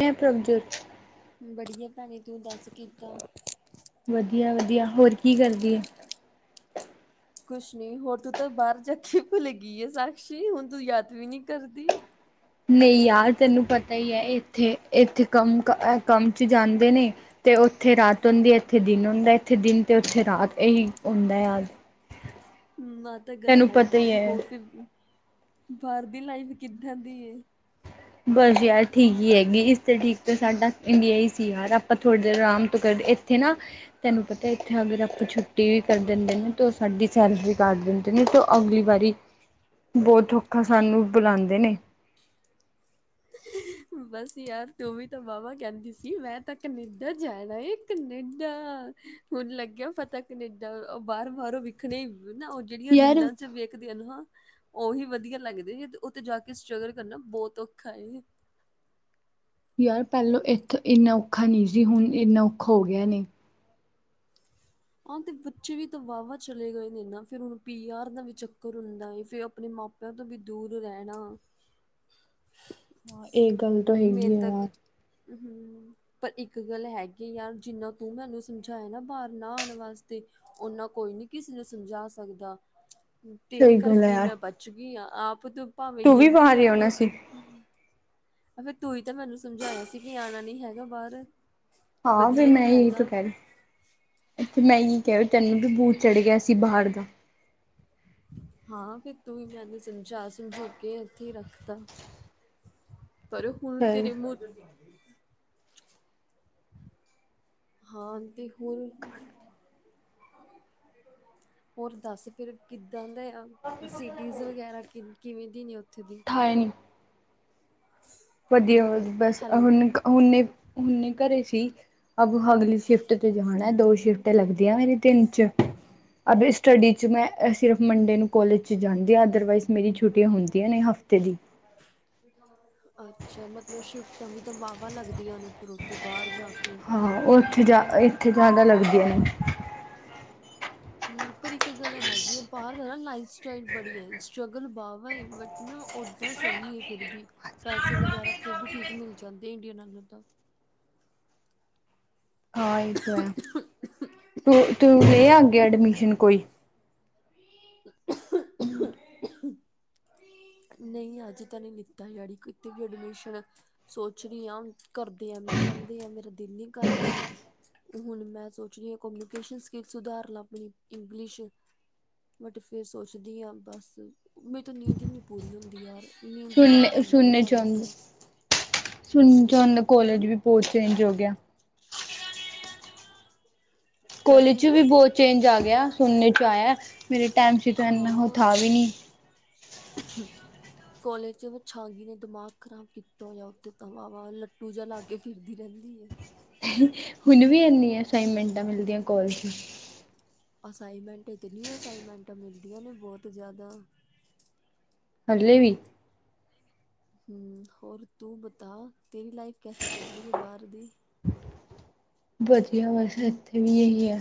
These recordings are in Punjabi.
ਮੈਂ ਪ੍ਰਭਜੋਤ ਬੜੀਏ ਭੈਣੇ, ਤੂੰ ਦੱਸ ਕੀਦਾਂ? ਵਧੀਆ-ਵਧੀਆ। ਹੋਰ ਕੀ ਕਰਦੀ ਏ? ਕੁਛ ਨੀ, ਹੋਰ ਤੂੰ ਤਾਂ ਬਾਹਰ ਜਾਕੇ ਭੁਲ ਗਈ ਏ ਸਾਕਸ਼ੀ, ਹੁਣ ਤੂੰ ਯਾਦ ਵੀ ਨੀ ਕਰਦੀ। ਨਹੀਂ ਯਾਰ, ਤੈਨੂੰ ਪਤਾ ਈ ਐ, ਇੱਥੇ, ਇੱਥੇ ਕੰਮ, ਕੰਮ ਐ ਕੰਮ'ਚ ਜਾਂਦੇ ਨੇ। ਤੇ ਉੱਥੇ ਰਾਤ ਹੁੰਦੀ ਐ, ਇੱਥੇ ਦਿਨ ਹੁੰਦਾ। ਇੱਥੇ ਦਿਨ ਤੇ ਉੱਥੇ ਰਾਤ ਇਹੀ ਹੁੰਦਾ ਯਾਰ। [inaudible] ਆਤਾਂ ਗੱਲ ਤੈਨੂੰ ਪਤਾ ਹੀ ਹੈਗੀਏ। ਹੈ ਹੋਰ ਫਿਰ, ਬਾਹਰ ਦੀ ਲਾਈਫ ਕਿੱਦਾਂ ਦੀ ਏ? ਬਸ ਯਾਰ ਠੀਕ ਹੀ ਹੇਗੀ। ਇਸ ਤੇ ਠੀਕ ਤਾਂ ਸਾਡਾ ਇੰਡੀਆ ਹੀ ਸੀ, ਯਾਰ ਆਪਾਂ ਥੋੜ੍ਹੀ ਦੇਰ ਆਰਾਮ ਤੋਂ ਕਰ ਇੱਥੇ ਨਾ ਤੈਨੂੰ ਪਤੈ, ਇੱਥੇ ਅਗਰ ਅਪਾਂ ਛੁੱਟੀ ਵੀ ਕਰ ਦੇਂਦੇ ਨੇ, ਤੇ ਓ ਸਾਡੀ ਸੈਲਰੀ ਕਾੱਟ ਦੇਂਦੇ ਨੇ ਤੇ ਅਗਲੀ ਵਾਰੀ ਬੋਤ ਔਖਾ ਸਾਨੂੰ ਬੁਲਾਂਦੇ ਨੇ। ਬਾੱਸ ਯਾਰ ਤੂੰ ਵੀ ਤਾ ਵਾ ਵਾ ਕੈਂਦੀ ਸੀ, ਮੈਂ ਤਾ ਕਨੇਡਾ ਜਾਨਾ ਏ ਕਨੇਡਾ ਹੁਨ ਲਗੇਆ ਪਤਾ ਕਨੇਡਾ, ਓ ਬਾਰੋ, ਬਾਰੋ ਵਿਖਨੇ ਈ ਨਾਓ ਜੇੜੀਆਂ ਯਾਰ ਰਿਲਾਂ ਚ ਵੇਖਦੇ ਆ ਨਾ ਉਹੀ ਵਦੀਆ ਲਗਦੇ ਐ, ਉਤੇ ਜਾ ਕੇ ਸਟਰ੍ਰਗਲ ਕਰਨਾ ਬੋਤ ਔਖਾ ਏ। ਯਾਰ ਪੈਲੋ ਇੱਥੇ ਇੰਨਾ ਔਖਾ ਨੀ ਸੀ ਹੁਨ ਇੰਨਾ ਔਖਾ ਹੋ ਗੇਆ ਨੇ। [inaudible] ਆਂ ਤੇ ਬੱਚੇ ਵੀ ਤੇ ਵਾ ਵਾ ਚਲੇ ਗਏ ਨੇ ਨਾ, ਫਿਰ ਹੂਨ ਪੀ ਆਰ ਦਾ ਵੀ ਚੱਕਰ ਹੁੰਦਾ ਏ, ਫਿਰ ਅਪਨੇ ਮਾਪ ਤਾਂ ਤੋਂ ਬੀ ਦੂਰ ਰੈਣਾ ਹਾਂ, ਏ ਗਲ ਤਾਂ ਹੈਗੀ ਓ ਐਂ ਹੂੰ, ਪਰ ਇੱਕ ਗਲ ਹੈਗੀ ਆ, ਜਿੰਨਾਂ ਤੂੰ ਮੈਨੂੰ ਸੀ ਜਾਏਆ ਨਾ ਬਾਰ ਨਾ ਆਨ ਵਾਸਤੇ, ਓਨਾਂ ਕੋਈ ਨੀ ਕਿਸੀ ਨੂੰ ਸਮਜਾ ਸਕਦਾ। ਤੇਰੇ ਸਹੀ ਗੱਲ ਹੈ ਕਾਰਕੇ ਈ ਯਾਰ ਮੈਂ ਬਾੱਚ ਗੀ ਆਂ, ਆਪ ਤੂ ਭਾਵੇਂ ਤੂੰ ਗਿਰ ਵੀ ਗੀ ਬਾਹਰ ਹੀ ਜਾ ਕੇ ਆਉਣਾ ਸੀ। ਉਤੇ। ਅਬੇ ਤੂੰ ਈ ਤੇ ਮੈਨੂੰ ਸਮਝਾਏਆ ਸੀ ਕਿ ਆਨਾ ਨੀ ਹੈਗਾ ਬਾਰ। ਹਾਂ, ਵੀ ਮੈਂ ਏਈ ਤਾ ਕੈਰੀ। ਤੇ ਮੈਂ ਈ ਕੈ ਰੀ ਤੈਨੂੰ ਵੀ ਬੂਤ ਚੜ ਗਆ ਸੀ ਬਾਹਰ ਦਾ। ਹਾਂ ਫਿ ਤੂੰ ਈ ਮੈਨੂ ਸਮਝਾ ਸਮਝੂ ਕੇ ਏਥੇ ਹੀ ਰੱਖਤਾ। ਪਰ ਹੁਨ ਸਹੀ ਤੇਰੇ ਮੁ ਹਾਂ, ਤੇ ਹੋ ਹੋਰ ਦਾੱਸ ਫਿਰ ਕਿੱਦਾਂ ਦਾ ਆ? ਸਿਟੀਜ਼ ਵਗੈਰਾ ਕਿ, ਕਿਵੇਂ ਦੀ ਨੇ ਓਥੇ ਦੀ? ਹਾਏ ਨੀ [inaudible] ਵਦੀਆਂ ਵ ਬਾੱਸ ਹੈਲੋ ਹੂਨ, ਹੂਨੇ ਹੂਨੇ ਘਰੇ ਸੀ। ਅਬ ਹਗਲੀ ਸ਼ਿਫਟ ਤੇ ਜਾਣੈ, ਦੋ ਸ਼ਿਫਟ ਲਗਦੀ ਆ ਮੇਰੀ, ਤਿੰਨ। ਚ, ਅਬ ਸਿਟਡੀ ਚ ਮੈਂ ਸਿਰਫ ਮੰਡੇ ਨੂੰ ਕੋਲੇਜ ਚ ਜਾਂਦੇ ਆ ਅਦਰਵਾਈਜ਼ ਮੇਰੀ ਛੁੱਟੀਆਂ ਹੋਦੀਆਂ ਨੇ ਹਫ਼ਤੇ ਦੀ। [inaudible] ਅੱਛਾ ਮਤਲਬ ਸ਼ਿਫਟਾਂ ਵੀ ਤਾਂ ਵਾ-ਵਾ ਲੱਗਦੀਆਂ ਨੇ ਫਿਰ ਉਥੇ ਬਾਰ ਜਾ ਕੇ। ਹਾਂ ਓ ਇਥੇ ਜਾ, ਇਥੇ ਜਾਦਾ ਲਗ ਦੀਆਂ ਨੇ। ਹੂੰ, ਪਰ ਇੱਕ ਗਲ ਹੈਗੀ ਏ, ਬਾਰ ਦਾ ਨਾ ਲਾਈਫ ਸਟਾਈਲ ਬੜੀਐ, ਸਟਰਗਲ ਵਾ-ਵਾ ਏ ਬਟ ਨਾ ਓਦਾਂ ਸਈ ਏ ਫਿਰ ਵੀ, ਪੈਸੇ ਵਗੈਰਾ ਫਿਰ ਵੀ ਠੀਕ ਮਿਲ ਜਾਂਦੇ, ਈੰਡੀਆ ਨਾਲੋ ਤਾਂ। ਹਾਂ ਏ ਤੋ ਹੈ, ਤੇ ਤੂ ਲੈਆ ਅੱਗੇ ਐਡਮਿਸ਼ਨ ਕੋਈ? [inaudible] ਹੂੰ। [inaudible] ਨਹੀ ਹਜੇ ਤਾ ਨਈ ਲਿੱਤਾ ਯਾੜੀ ਕਿਤੇ ਵੀ ਐਡਮਿਸ਼ਨ ਸੋਚ ਰੀਆਂ ਘਰਦੇ ਐਂਵੇ ਕੈਂਦੇ ਐ, ਮੇਰਾ ਦਿਲ ਨੀ ਕਰਦਾ। ਹੁਨ ਮੈਂ ਸੋਚਰੀ ਆਂ ਕਮਿਊਨੀਕੇਸ਼ਨ ਸਕਿੱਲ ਸੁਧਾਰ ਲਾ ਆਪਨੀ ਇੰਗਲਿਸ਼ ਬਟ ਫੇਰ ਸੋਚਦੀ ਆਂ, ਬਾੱਸ ਮੇਰੀ ਤਾਂ ਨੀਂਦ ਈ ਨੀ ਪੂਰੀ ਹੋਂਦੀ ਯਾਰ ਇੰਨੀ ਈ ਵਾ-ਵਾ ਆਂਦੀ ਏ ਸਾਨੂੰ ਤਾਂ। ਸੁਨ ਚਨ ਕੋਲੇਜ ਹਮ ਵੀ ਬੋਤ ਚੇਂਜ ਹੋ ਗੇਆ। ਕਿਆ ਕੋਲੇਜ ਚ ਚੀਜ਼ ਵੀ ਬੋਤ ਚੇਂਜ ਆ ਗੇਆ, ਸੁਨਨੇ ਚ ਆਏਆ, ਮੇਰੇ ਟਾਈਮ ਚ ਤੇ ਏਨਾ ਹੁ ਹਾਂ ਥਾ ਵੀ ਨੀ। [inaudible] ਕੋਲੇਜ ਚ ਵੋ ਛਾਗੀ ਨੇ ਦਮਾਗ ਖਰਾਬ ਕੀਤਾ ਹੋਏਆ, ਉਥੇ ਤਾਂ ਵਾ-ਵਾ ਲੱਟੂ ਜਾ ਲਾਗ ਕੇ ਫਿਰਦੀ ਰੈਂਦੀ ਏ। ਹੁਨ ਵੀ ਐੰਨੀ ਅਸਾਈਨਮੈਂਟਾਂ ਮਿਲਦੀਆਂ ਕੋਲਜ ਚ? ਅਸਾਈਮੈਂਟ ਈਤਨੀ ਅਸਾਈਮੈਂਟਾਂ ਮਿਲਦੀਆਂ ਨੇ ਬੋਤ ਜਾਦਾ ਹੱਲੇ ਵੀ? ਹਮ ਹੋਰ ਤੂੰ ਬਤਾ ਤੇਰੀ ਲਾਈਫ ਕੈਸੀ ਚੱਲ ਰਹੀ ਹੈ, ਬਾਹਰ ਦੀ। ਵਧੀਆ ਬਸ ਇੱਥੇ ਵੀ ਇਹੀ ਐ।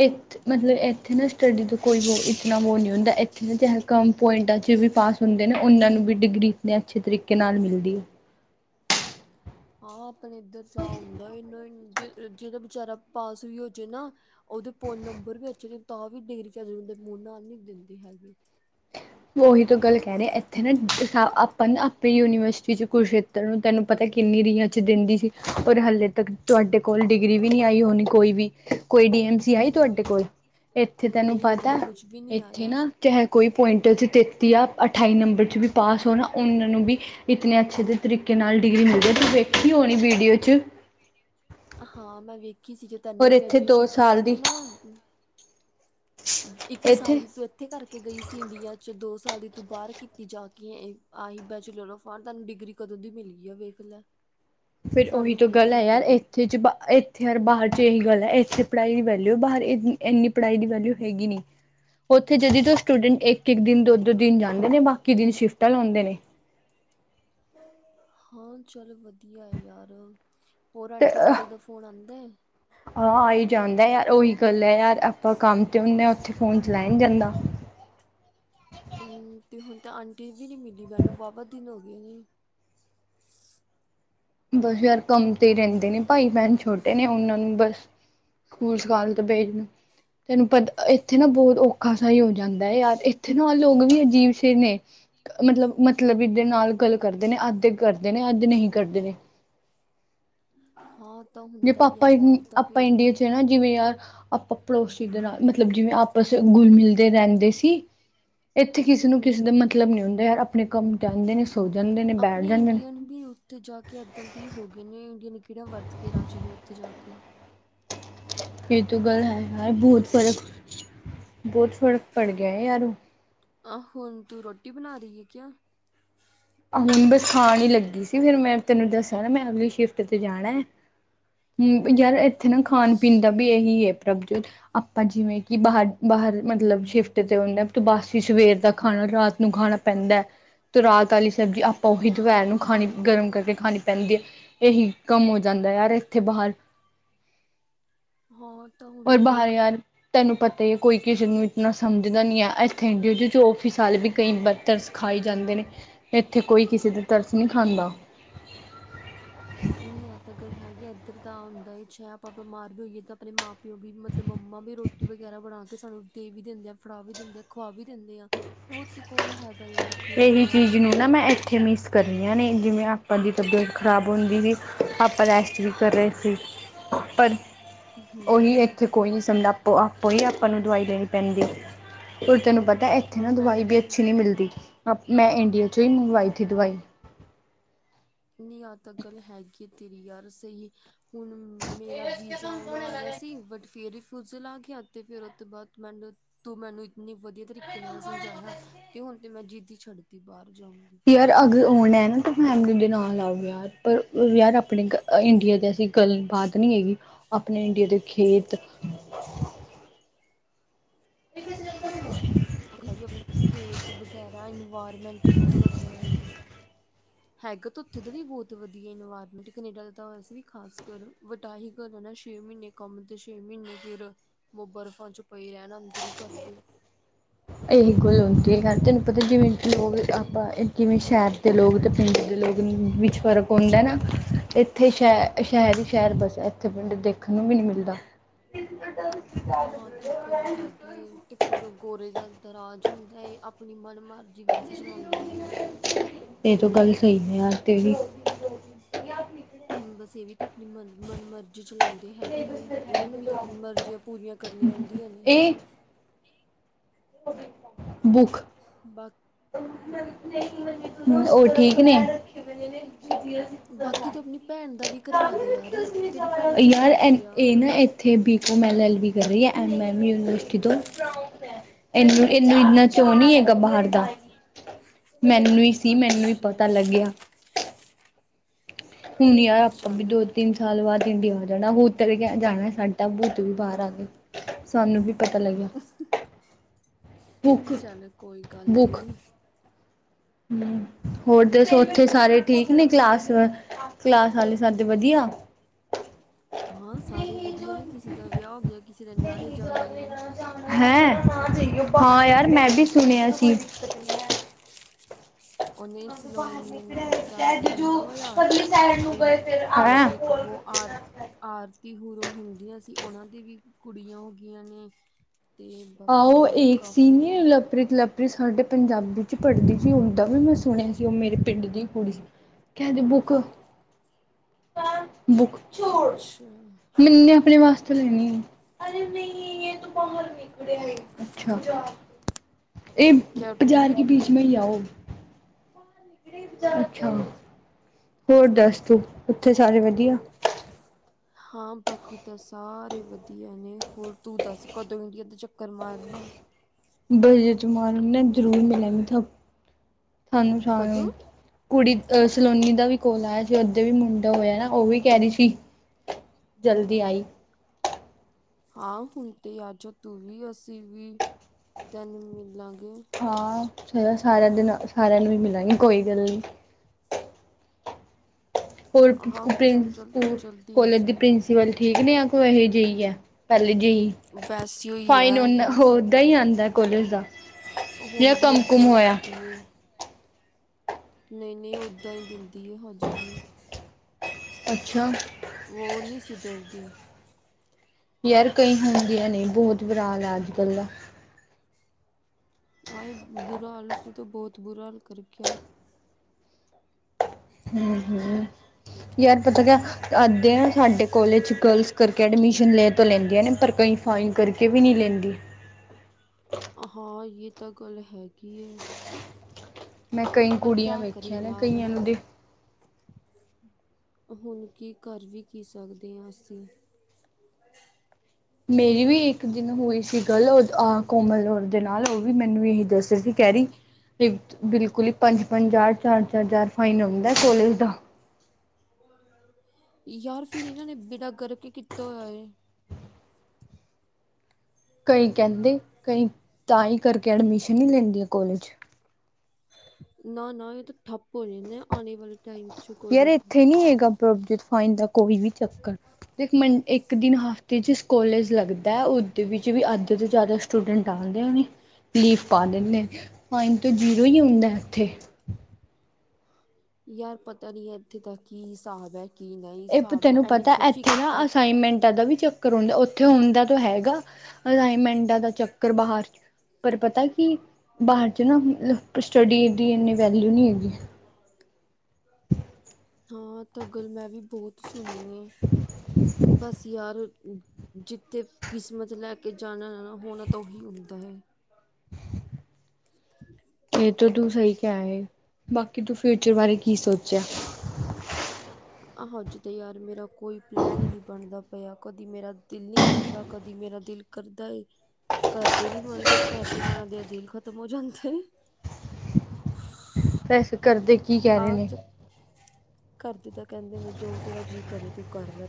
ਇੱਥ ਮਤਲਬ ਇੱਥੇ ਨਾ ਸਟਡੀ ਦਾ ਕੋਈ ਵੋ ਇਤਨਾ ਵੋ ਨਹੀਂ ਹੁੰਦਾ ਇਹ ਨਾ ਚਾਹੇ ਕਮ ਪੁਆਇੰਟਾਂ ਚ ਵੀ ਪਾਸ ਹੁੰਦੇ ਨੇ, ਉਹਨਾਂ ਨੂੰ ਵੀ ਡਿਗਰੀ ਇਤੇ ਅੱਛੇ ਤਰੀਕੇ ਨਾਲ ਮਿਲਦੀ ਹੈ। ਹਾਂ ਆਪਣੇ ਇੱਧਰ ਚਾ ਹੁੰਦਾ ਐ ਇੱਨਾਂ ਜਿਹਦਾ ਬਚਾਰਾ ਪਾਸ ਵੀ ਹੋਜੇ ਨਾ ਉਹਦੇ ਫੋਨ ਨੰਬਰ ਵੀ ਅੱਛੇ ਨੇ ਤਾਂ ਵੀ ਡਿਗਰੀ ਚੱਜ ਦੇ ਮੂੰਹ ਨਾਲ ਨੀ ਦਿੰਦੀ ਹੈਗੇ। ਉਹੀ ਤੋਂ ਗੱਲ ਕਹਿ ਰਹੇ ਇੱਥੇ ਨਾ ਆਪਾਂ ਨਾ ਆਪਣੀ ਯੂਨੀਵਰਸਿਟੀ ਚ ਕੁਛ ਤਰੁਨ ਤੈਨੂੰ ਪਤਾ ਐ ਕਿੰਨੀ ਰੀ ਦਿੰਦੀ ਸੀ ਪਰ ਹਾਲੇ ਤੱਕ ਤੁਹਾਡੇ ਕੋਲ ਡਿਗਰੀ ਵੀ ਨਹੀਂ ਆਈ ਹੋਣੀ ਕੋਈ ਵੀ। ਕੋਈ ਡੀਐਮਸੀ ਆਈ ਤੁਹਾਡੇ ਕੋਲ, ਨਹੀਂ ‌ ਇੱਥੇ ਤੈਨੂੰ ਨਹੀਂ ਹਜੇ ਤਾਂ ਪਤਾ ਕੁਛ ਵੀ ਨਹੀਂ ਇੱਥੇ ਆਇਆ ਨਾ ਚਾਹੇ ਕੋਈ ਪੁਆਇੰਟ ਚ ਤੇਤੀ ਆ ਅਠਾਈ ਨੰਬਰ ਚ ਵੀ ਪਾਸ ਹੋਣਾ ਉਹਨਾਂ ਨੂੰ ਵੀ ਇਤਨੇ ਅੱਛੇ ਜੇ ਤਰੀਕੇ ਨਾਲ ਡਿਗਰੀ ਮਿਲਦੇ ਵੇਖੀ ਹੋਣੀ ਵੀਡੀਓ ਚ। ਹਾਂ ਮੈਂ ਵੇਖੀ ਸੀ ਜੇ ਤੈਨੂੰ ਔਰ ਇੱਥੇ ਦੋ ਗ੍ਰੈਜੂਏਸ਼ਨ ਕੀਤੀ ਸਾਲ ਦੀ ਤੂੰ ਨਾ ਇੱਕ ਸਾਲ ਦੀ ਸੀ ਏ ਇੱਥੇ ਕਰਕੇ ਗਈ ਸੀ ਇੰਡੀਆ ਚ ਦੋ ਸਾਲ ਦੀ ਤੂਂ ਬਾਹਰ ਕੀਤੀ ਜਾ ਕੇ ਏ, ਆਹੀ ਬੈਚੂਲਰ ਆਫ ਆ ਤੁਹਾਨੂੰ ਡਿਗਰੀ ਤੇ ਕਦੋਂ ਦੀ ਮਿਲੀ ਐ ਵੇਖ ਲੈ ਫਿਰ ਉਹੀ ਸਾਨੂੰ ਤੋਂ ਹਜੇ ਗੱਲ ਤੱਕ ਹੈ ਨਹੀਂ ਯਾਰ ਮਿਲੀ ਇੱਥੇ ਚ ਬਾ ਇੱਥੇ ਯਾਰ ਬਾਹਰ ਚ ਇਹੀ ਗੱਲ ਹੈ ਇੱਥੇ ਪੜ੍ਹਾਈ ਵੈਲਿਊ, ਬਾਹਰ ਏਨੀ ਇੰਨੀ ਪੜ੍ਹਾਈ ਦੀ ਵੈਲਿਊ ਹੈਗੀ ਨਹੀਂ, ਉੱਥੇ ਜਦੀ ਤੁ ਸਟੂਡੈਂਟ ਇੱਕ ਇੱਕ ਦਿਨ ਦੋ ਦੋ ਦਿਨ ਜਾਂਦੇ ਨੇ, ਬਾਕੀ ਦਿਨ ਸ਼ਿਫਟਾਂ ਲਾਉਂਦੇ ਨੇ। ਹਾਂ ਚੱਲ ਵਧੀਆ ਐ ਯਾਰ। ਹੋਰ ਤੇ ਆਂਟੀ ਅੰਕਲ ਦਾ ਫੋਨ ਆਂਦਾ ਐ? ਹਾਂ ਆ ਹੀ ਜਾਂਦਾ ਯਾਰ ਉਹੀ ਗੱਲ ਹੈ ਯਾਰ, ਆਪਾਂ ਕੰਮ ਤੇ ਹੁੰਦੇ ਹਾਂ ਉੱਥੇ ਫੋਨ ਚ ਲੈ ਨਹੀਂ ਜਾਂਦਾ [unintelligible] ਹਮ ਤੇ ਹੁਣ ਤਾਂ ਆਂਟੀ ਜੀ ਨਹੀਂ ਮਿਲੀ ਮੈਨੂੰ ਵਾਹਵਾ ਦਿਨ ਹੋ ਗਏ ਨੇ। ਬਸ ਯਾਰ ਕੰਮ ਤੇਈ ਰਹਿੰਦੇ ਨੇ ਭਾਈ ਭੈਣ ਛੋਟੇ ਨੇ ਉਹਨਾਂ ਨੂੰ ਬਸ ਸਕੂਲ ਸਕਾਲ ਤੇ ਭੇਜ ਨੂੰ [unintelligible] ਤੈਨੂੰ ਪਤਾ ਅ ਇੱਥੇ ਨਾ ਬਹੁਤ ਔਖਾ ਸਹੀ ਹੋ ਜਾਂਦਾ ਹੈ ਯਾਰ, ਇੱਥੇ ਨਾ ਲੋਕ ਵੀ ਅਜੀਬ ਸੇ ਨੇ। ਮਤਲਬ ਮਤਲਬੀ ਦੇ ਨਾਲ ਗੱਲ ਕਰਦੇ ਨੇ ਅੱਧੇ ਕਰਦੇ ਨੇ ਅੱਧੇ ਨਹੀਂ ਕਰਦੇ ਨੇ। ਹਾਂ। ਤਾਂ ਜੇ ਹੁੰਦਾ ਹੀ ਹੈ ਪਾਪਾ ਬਾਹਰ ਤਾਂ ਆਪਾਂ ਫਿਰ ਇੰਡੀਆ ਚ ਹੈ ਨਾ ਜਿਵੇਂ ਯਾਰ। ਆਪਾਂ ਪੜੋਸੀ ਦੇ ਨਾਲ ਮਤਲਬ ਜਿਵੇਂ ਆਪਸ ਚ ਗੁਲ ਮਿਲ ਕੇ ਰਹਿੰਦੇ ਸੀ। ਇੱਥੇ ਕਿਸੇ ਨੂੰ ਕਿਸੇ ਦਾ ਹਮ ਮਤਲਬ ਨੀ ਹੁੰਦਾ ਯਾਰ ਆਪਣੇ ਕੰਮ ਚਾਹਦੇ ਨੇ ਸੋ ਜਾਂਦੇ ਨੇ ਬੈਠ ਆਪਣੇ ਜਾਂਦੇ ਨੇ ਇੰਡੀਆ ਨੂੰ ਵੀ ਉੱਥੇ ਜਾ ਕੇ ਏਦਾਂ ਦੇ ਹੀ ਹੋ ਗੀ ਏ ਇੰਡੀਆ ਨੇ ਕਿਹੜਾ ਵਰਤ ਕੇ ਰਾਜੇ ਨੇ ਉੱਥੇ ਜਾ ਕੇ। ਇਹ ਤ ਗੱਲ ਹੈ ਯਾਰ ਬਹੁਤ ਫ਼ਰਕ, ਬਹੁਤ ਫ਼ਰਕ ਪੜ ਗਿਆ ਹੈ ਯਾਰ। ਆਹ ਹੁਣ ਤੂੰ ਰੋਟੀ ਬਣਾ ਰਹੀ ਹੈ ਕਿਆ। ਆਹ ਹੁਣ ਬਸ ਖਾਣ ਹੀ ਲੱਗੀ ਸੀ ਫਿਰ ਮੈਂ ਤੈਨੂੰ ਦੱਸਿਆ ਨਾ ਮੈਂ ਅਗਲੀ ਸ਼ਿਫਟ ਤੇ ਜਾਣਾ ਹੈ। ਹਮ ਯਾਰ ਇੱਥੇ ਨਾ ਖਾਣ ਪੀਣ ਦਾ ਅੱਛਾ ਵੀ ਇਹੀ ਹੈ ਪ੍ਰਭਜੋਤ, ਆਪਾਂ ਜਿਵੇਂ ਕਿ ਬਾਹਰ। ਬਾਹਰ ਮਤਲਬ ਸ਼ਿਫਟ ਤੇ ਹੁੰਦੇ ਤੁ ਬਾਸ ਹੀ ਸਵੇਰ ਤੱਕ। ਖਾਣਾ ਰਾਤ ਨੂੰ ਖਾਣਾ ਪੈਂਦਾ ਹੈ, ਤੇ ਰਾਤ ਵਾਲੀ ਸਬਜ਼ੀ ਆਪਾਂ ਉਹੀ ਦੁਪਹਿਰ ਨੂੰ ਖਾਣੀ ਗਰਮ ਕਰਕੇ ਖਾਣੀ ਪੈਂਦੀ ਹੈ, ਇਹੀ ਕੰਮ ਹੋ ਜਾਂਦਾ ਯਾਰ ਇੱਥੇ ਬਾਹਰ। [inaudible] ਹਾਂ ਤਾਂ ਹੋਰ ਹੁੰਦਾ ਹੀ ਹੈ ਬਾਹਰ ਯਾਰ ਤੈਨੂੰ ਪਤਾ ਹੀ ਹੈ ਕੋਈ ਕਿਸੇ ਨੂੰ ਇਤਨਾ ਸਮਝਦਾ ਨਹੀਂ ਹੈ ੲੱਥੇ ਇੰਡੀਆ ਚ ਜੋ ਔਫਿਸ ਵਾਲੇ ਵੀ ਕਈ ਬ ਤਰਸ ਖਾ ੲ ਜਾਂਦੇ ਨੇ ਇੱਥੇ ਕੋਈ ਕਿਸੇ ਤੇ ਤਰਸ ਨਹੀਂ ਖਾਂਦਾ। ਨ ਆ ਤਾਂ ਗੱਲ ਹੈਗੀ ਇੱਧਰ ਤਾਂ ਹੁੰਦਾ ਏ ਚਾਹ ਆਪਾਂ ਬਿਮਾਰ ਵੀ ਹੋਈਏ ਤਾਂ ਆਪਣੇ ਮਾਂ ਪਿਓ ਵੀ ਮਤਲਬ ਮੰਮਾ ਵੀ ਰੋਟੀ ਟੀ ਵਗੈਰਾ ਬਣਾ ਕੇ ਸਾਨੂੰ ਦੇ ਵੀ ਦਿੰਦੇ ਆ, ਫੜਾ ਵੀ ਦਿੰਦੇ ਆ, ਖੁਵਾ ਵੀ ਦਿੰਦੇ ਆ। ਉਹ ਤੇ ਕੌਣ ਹੈਗਾ ਯਾਰ ਖਲਾਨ ਇਹੀ ਵਾਲਾ ਚੀਜ਼ ਨੂੰ ਵੀ। ਨਾ ਮੈਂ ਐਥੇ ਮਿਕਸ ਮੈ। ਕਰਨੀਆਂ ਨੇ ਜਿਵੇਂ ਆਪਾਂ ਦੀ ਤਬੀਅਤ ਖ਼ਰਾਬ ਹੁੰਦੀ ਸੀ ਆਪਾਂ ਰੈਸਟ ਵੀ ਕਰ ਰਹੇ ਸੀ। ਪਰ ਉਹੀ ਹਮ ਇੱਥੇ ਕੋਈ ਨੀ ਸਮਝਦਾ ਆਪ ਆਪੋ ਹੀ ਆਪਾਂ ਨੂੰ ਦਵਾਈ ਦੇਣੀ ਪੈਂਦੀ ਹੈ ਉਹ ਤੈਨੂੰ ਪਤਾ। ਤਾਂ ਇੱਥੇ ਹਾਂ ਨਾ ਮੈਂ ਦਵਾਈ ਵੀ ਅੱਛੀ ਨਹੀ ਮਿਲਦੀ ਆਪ ਮੈਂ ਇੰਡੀਆ ਚੋਂ ਹੀ ਮੁੰਬਈ ਥੀ ਦਵਾਈ। ਨੀ ਆ ਤਾਂ ਗੱਲ ਹੈਗੀ ਤੇਰੀ ਯਾਰ ਸਹੀ। ਹੁਣ ਮੇਰਾ ਵੀਜ਼ਾ ਆਉਣ ਵਾਲਾ ਸੀ ਬਟ ਫਿਰ ਬੁਜ ਲਾਂਗੀ ਹੱਥ ਤੇ ਫਿਰ ਉਹ ਤੋਂ ਬਾਅਦ ਮੈਨੂੰ ਤੂੰ ਮੈਨੂੰ ਇਨੇ ਵਧੀਆ ਤਰੀਕੇ ਨਾਲ ਸਮਝਾਇਆ ਕੇ ਹੁਣ ਤੇ ਮੈਂ ਜਿੱਦ ਹੀ ਛੱਡਤੀ ਬਾਰ ਜਾਉਣ ਦੀ। ਯਾਰ ਅਗਰ ਆਉਣਾ ਐ ਨਾ ਤਾਂ ਫੈਮਿਲੀ ਦੇ ਨਾਲ ਆਓ ਯਾਰ। ਪਰ ਯਾਰ ਆਪਣੇ ਇੰਡੀਆ ਦੀ ਅਸੀਂ ਗੱਲਬਾਤ ਨੀ ਹੈਗੀ। ਅਪਣੇ ਇੰਡੀਆ ਦੇ ਖੇਤ ਓ ਤੇ ਹੈ ਈ ਏ ਆਪਣੇ ਖੇਤ ਵਗੈਰਾ ਇਨਵਾਇਰਮੈਂਟ ਹੀ ਬਹੁਤ ਵਧੀਆ ਏ। ਹੈਗਾ ਤਾਂ ਉੱਥੇ ਦਾ ਵੀ ਬਹੁਤ ਵਧੀਆ ਇਨਵਾਇਰਮੈਂਟ ਕਨੇਡਾ ਦਾ ਤਾਂ ਵੈਸੇ ਵੀ ਖਾਸ ਕਰ ਵਡਾ ਹੀ ਕਰ ਲੈਣਾ ਛੇ ਮਹੀਨੇ। ਕੰਮ ਤੇ ਛੇ ਮਹੀਨੇ ਫਿਰ ਬਰਫ਼ਾਂ ਚ ਪਈ ਰਹਿਣ ਅੰਦਰ ਹੀ ਕਰਦੇ। ਇਹੀ ਗੁਲ ਆਉੁੰਦੀ ਹੈ ਯ ਤੈਨੂੰ ਪਤਾ ਜਿਵੇਂ ਲੋਕ ਆਪਾਂ ਕਿਵੇਂ ਸ਼ਹਿਰ ਦੇ ਲੋਕ ਜ ਦੇ ਲੋਕਗ ਵਿੱਚ ਫਰਕ ਹੁੰਦੈ ਨਾ ਇਥੇ ਸ਼ ਸ਼ਹਿਰ ਹੀ ਸ਼ਹਿਰ ਬਸਿਆ ਇੱਥੇ ਪਿੰਡ ਦੇਖਣ ਨੂੰ ਵੀ ਨੀ ਮਿਲਦਾ। [inaudible] ਕਿ ਟਿੱਪਰ ਗੋਰੇ ਦਾ ਅੰਤਰ ਰਾਜ ਹੁੰਦਾ ਹੈਏ ਆਪਣੀ ਮਨ ਮਾਰਦਾ। ਜਿ ਵੇੈਸੇ ਚਲਾਉਂਦੇ ਨੇ ਆ। ਇਹਨੇ ਯਾਰ ਤੇਰੀ ਹਮ ਬਸ ਇਹ ਵੀ ਤਾਂ ਆਪਣੀ ਮ ਮਰਜ਼ੀ ਚਲਾਉਂਦੀ। ਹੈਗੇ ਨੇ ਇਹਨਾਂ ਨੂੰ ਵੀ ਤਾਂ ਆਪਣੀ ਮਰਜ਼ੀਆਂ ਪੂਰੀਆਂ ਕਰਨੀਆਂ ਹੁੰਦੀਆਂ ਨੇ। ਬੁਖ ਬਾਕੀ ਓ ਠੀਕ ਨੇ। ਬਾਕੀ ਤੂੰ ਆਪਣੀ ਭੈਣ ਦਾ ਵੀ ਕਰਵਾ ਦੇ ਯਾਰ ਤੇਰੀ ਭੈਣ ਓ ਕਿਹੜੀ ਯਾਰ ਕਲਾਸ 'ਚ ਐਨ ਆ ਇਹ ਨਾ ਇੱਥੇ B com L L B ਕਰ ਰੀ ਐ ਐਮ ਐਮ ਯੂਨੀਵਰਸਟੀ ਤੋਂ ਏਹਨੂੰ ਇਹਨੂੰ ਇੰਨਾ ਚੋਂ ਨੀ ਹੈਗਾ ਬਾਹਰ ਦਾ। ਮੈਨੂੰ ਈ ਸੀ ਮੈਨੂੰ ਵੀ ਅੱਛਾ ਪਤਾ ਲੱਗਿਆ। ਹੁਣ ਯਾਰ ਆਪਾਂ ਵੀ ਚੱਲ ਦੋ ਤਿੰਨ ਸਾਲ ਬਾਦ ਇੰਡੀਯਾਂ ਆ ਜਾਣਾ। ਭੂਤ [unintelligible] ਉੱਤਰ ਗਿਆ ਸਾਡਾ ਭੂਤ ਵੀ ਬਾਹਰ ਆ ਗਯਾ। ਸਾਨੂੰ ਵੀ ਪਤਾ ਲੱਗਿਆ। ਭੁੱਖ ਚੱਲ ਕੋਈ ਗੱਲ ਨੀ। ਹਮ ਹੋਰ ਦੱਸ ਉੱਥੇ ਸਾਰੇ ਠੀਕ ਨੇ ਕਲਾਸ ਵ ਕਲਾਸ ਵਾਲੇ। ਸਾਭ ਵਧੀਆ। ਹਾਂ ਸਾਰੇ ਵਧੀਆ ਨੇ ਕਿਸੇ ਦਾ ਵਿਆਹ ਹੋ ਗਿਆ ਕਿਸੇ ਦੇ ਨਿਆਣੇ ਜੰਮ ਲਏ। ਹੈਂ ਹਾਂ ਯਾਰ ਮੈਂ ਵੀ ਹੋਰ ਕੀ ਸੁਣਿਆ ਸੀ। ਉਹਨੇ ਸਿਲੋਣੀ ਨੇ ਦਾ ਮੁੰਡਾ ਹੋਇਆ ਤੇ ਇੱਕ ਬਹੁ ਆਰ ਆਰਤੀ ਹੂਰੋਂ ਹੁੰਦੀਆਂ ਸੀ ਉਹਨਾਂ ਦੀ ਵੀ ਕੁੜੀਆਂ ਹੋ ਗੀਆਂ ਨੇ। ਤੇ ਬਾਕੀ ਹੋਰ ਵੀ ਕਾਫੀਆਂ ਦੀ ਪ੍ਰਿਤ ਲਵਪ੍ਰੀਤ ਸਾਡੇ ਪੰਜਾਬੀ ਚ ਪੜ੍ਹਦੀ ਸੀ ਔਂਦਾ ਵੀ ਮੈਂ ਸੁਣਿਆ ਸੀ ਉਹ ਮੇਰੇ ਪਿੰਡ ਦੀ ਕੁੜੀ ਸੀ। ਕਹ ਦੇ ਬੁੱਕ ਬੁੱਕ [inaudible] ਅੱਛਾ [inaudible] ਮੈਨੂੰ ਆਪਣੇ ਵਾਸਤੇ ਲੈਣੀ ਏ ਅਰੇ ਨਹੀਂ ਯੇ ਤੋ ਬਾਹਰ ਨਿਕਲ ਆਏ। ਅੱਛਾ ਇਹ ਕਿਆ ਬਾਜ਼ਾਰ ਰੂਮਮੇਟ ਕੇ ਬੀਚ ਮੇ ਹੀ ਲੇ ਆਓ। ਅੱਛਾ ਹੋਰ ਦੱਸ ਤੂੰ ਉੱਥੇ ਸਾਰੇ ਵਧੀਆ। ਹਾਂ ਬਾਕੀ ਤਾਂ ਸਾਰੇ ਵਧੀਆ ਨੇ ਹੋਰ ਤੂੰ ਦੱਸ ਕਦੋਂ ਇੰਡੀਆ ਦਾ ਚੱਕਰ ਮਾਰਨੈ। ਬਜਟ ਬਣ ਲੈਣ ਜ਼ਰੂਰ ਮਿਲਣ ਤੁਆਨੂੰ ਸਾਰੇ। ਕਦੋਂ ਕੁੜੀ ਅ ਸਲੋਨੀ ਦਾ ਵੀ ਕੌਲ ਆਇਆ ਸੀ, ਓਦੇ ਵੀ ਮੁੰਡਾ ਹੋਇਆ ਐ ਨਾ। ਓ ਵੀ ਕਹਿ ਰਹੀ ਸੀ ਜਲਦੀ ਆਈ। ਹਾਂ, ਹੁਣ ਤੇ ਆਜਾ ਤੂੰ ਵੀ ਅਸੀਂ ਵੀ ਤੈਨੂੰ ਮਿਲਾਂਗੇ। ਹਾਂ, ਸਾਰਿਆਂ ਦੇ ਨਾਲ ਸਾਰਿਆਂ ਨੂੰ ਈ ਮਿਲਾਂਗੀ ਕੋਈ ਗੱਲ ਨੀ। ਹੋਰ ਹਾਂ ਬਸ ਹੁਣ ਜਲਦੀ ਜਲਦੀ ਕੋਲੇਜ ਦੀ ਆਜਾ ਪ੍ਰਿੰਸੀਪਲ ਠੀਕ ਨੇ ਯਾ ਕੋਈ ਐਹੇ ਜੇਈ ਐ। ਪਹਿਲੇ ਜੇਈ ਵੈਸੇ ਹੀ ਫਾਈਨ ਹੈ ਓਨਾ ਵੈਸੇ ਹੀ ਓਦਾਂ ਹੈ ਈ ਆਂਦਾ ਕੋਲੇਜ ਦਾ ਹੁਣ ਜਿਹੜਾ ਵੀ ਕੰਮ ਓਦਾਂ ਕੁਮ ਈ ਹੋਇਆ ਦਿੰਦੀ ਏ। ਨਈ-ਨਈ ਓਦਾਂ ਈ ਦਿੰਦੀ ਐ ਹਜੇ ਵੀ। ਅੱਛਾ। ਓ ਨੀ ਸੁਧਰਦੀ। ਯਾਰ ਕਈ ਹੁੰਦੀਆਂ ਨੇ, ਬਹੁਤ ਬੁਰਾ ਹਾਲ ਐ ਅੱਜਕੱਲ੍ਹ ਦਾ। ਆਏ ਬੁਰਾ ਹਾਲ ਉਸਨੇ ਤਾਂ ਬਹੁਤ ਬੁਰਾ ਹਾਲ ਕਰ ਰੱਖਿਐ। ਹੂੰ, ਹੂੰ ਯਾਰ ਪਤਾ ਕਆ ਏਦਾ ਨਾ ਸਾਡੇ ਕੋਲਜ ਚ ਗਰਲਸ ਕਰਕੇ ਐਡਮਿਸ਼ਨ ਲੈ ਤੇ ਲੈਂਦੀਆਂ ਨੇ ਪਰ ਕਈ ਫਾਈਨ ਕਰਕੇ ਵੀ ਨੀ ਲੈਂਦੀ। ਹਾਂ, ਯੇ ਤਾਂ ਗੱਲ ਹੈਗੀ ਐ। ਮੈਂ ਕਈ ਪਰ ਕੁੜੀਆਂ ਕਿਆ ਕਰੇ ਵੇਖੀਆਂ ਨੇ ਯਾਰ ਕਈਆਂ ਨੂੰ ਦੇ ਹੁਣ ਕੀ ਕਰ ਵੀ ਕੀ ਸਕਦੇ ਆ ਅਸੀਂ ਮੇਰੀ ਵੀ ਇੱਕ ਦਿਨ ਹੋਈ ਸੀ ਗੱਲ ਓ ਆਹ ਕੋਮਲ ਔਰ ਦੇ ਨਾਲ ਓ ਵੀ ਮੈਨੂੰ ਇਹੀ ਦੱਸ ਰਹੀ ਸੀ। ਕਹਿ ਰਈ ਫ ਬਿਲਕੁਲ ਈ ਪੰਜ-ਪੰਜ ਹਜਾਰ, ਚਾਰ-ਚਾਰ ਹਜ਼ਾਰ ਫਾਈਨ ਆਉਂਦਾ ਕੌਲਜ ਦਾ। ਯਾਰ ਫੇਰ ਏਨਾਂ ਨੇ ਬੇੜਾ ਗਰਗ ਈ ਕੀਤਾ ਹੋਇਆ ਏ। ਕਈ ਕਹਿੰਦੇ ਕਈ ਤਾਂ ਈ ਕਰਕੇ ਐਡਮਿਸ਼ਨ ਨੀ ਲੈਂਦੇ ਆਂ ਕੋਲਜ ਚ ਨਾ-ਨਾ ਏ ਤਾਂ ਠੱਪ ਹੋਣੇ ਨੇ ਆਣੇ ਵਾਲੇ ਟਾਈਮ ਚ ਯਾਰ ਕਾਲਜ ਇੱਥੇ ਨੀ ਹੈਗਾ ਪ੍ਰਭਜੀਤ ਫਾਈਨ ਦਾ ਕੋਈ ਵੀ ਚੱਕਰ ਦੇਖ ਮੇਂਟ ਇੱਕ ਦਿਨ ਹਫ਼ਤੇ ਚ ਕੋਲੇਜ ਲੱਗਦਾ ਉਦੇ ਵਿੱਚ ਜਿਵੇ ਅੱਧ ਤੋਂ ਜ਼ਿਆਦਾ ਸਟੂਡੈਂਟ ਆਂਦੇ ਏ ਨੀ। ਲੀਫ ਪਾ ਦੇਨੇ ਆ, ਫਾਈਨ ਤੇ ਜ਼ੀਰੋ ਹੀ ਹੁੰਦਾ ਏਥੇ। ਯਾਰ ਪਤਾ ਨੀ ਏਥੇ ਦਾ ਕੀ ਹਿਸਾਬ ਐ, ਕੀ ਨਈ ਇਹ ਹਿਸਾਬ ਐ, ਐਨੇ ਦੁਖੀ ਕੀਤਾ ਪਿਆ ਐ। ਤੁਆਡਾਵੀ ਚੱਕਰ ਹੁੰਦਾ ਉੱਥੇ ਹੁੰਦਾ ਤੋ ਹੈਗਾ, ਅਸਾਈਨਮੈਂਟਾਂ ਦਾ ਚੱਕਰ ਬਾਹਰ। ਪਰ ਪਤਾ ਕੀ ਬਾਹਰ ਚ ਨਾ ਮਤਲਬ, ਸਟੱਡੀ ਦੀ ਏਨੀ ਵੈਲਊ ਨੀ ਹੁੰਦੀ। ਹਾਂ ਤੇ ਗਲ ਮੈਂ ਵੀ ਬਹੁਤ ਸੁਣੀਐ ਬਸ ਯਾਰ ਊ ਜਿੱਥੇ ਕਿਸਮਤ ਲੈ ਕੇ ਜਾਨਾ ਨਾ, ਹੋਨਾ ਤਾਂ ਉਹੀ ਹੁੰਦਾ ਹੈ। [unintelligible] ਏ ਤਾ ਤੂੰ ਸਹੀ ਕਿਆ ਏ, ਬਾਕੀ ਤੂੰ ਫਿਊਚਰ ਬਾਰੇ ਕੀ ਸੋਚਿਆ? ਆ ਹਜੇ ਤੇ ਯਾਰ ਮੇਰਾ ਕੋਈ ਪਲੈਨ ਈ ਨੀ ਬਣਦਾ ਪਿਆ, ਕਦੀ ਮੇਰਾ ਦਿਲ ਨੀ ਕਰਦਾ, ਕਦੀ ਮੇਰਾ ਦਿਲ ਕਰਦਾ ਘਰਦੇ ਨੀ ਮੰਨਦੇ, ਘਰਦੇ ਮਣਦੇ ਦਿਲ ਖ਼ਤਮ ਹੋ ਜਾਂਦਾ ਏ। ਵੈਸੇ ਕਰਦੇ ਕੀ ਕਹਿ ਆ ਰਹੇ ਨੇ। ਚ ਘਰਦੇ ਤਾਂ ਕਹਿੰਦੇ ਨੇ ਜੋ ਤੇਰਾ ਜੀਅ ਕਰੇ ਤੂੰ ਕਰ ਲੈ